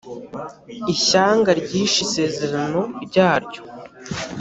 ishyanga ryishe isezerano ryaryo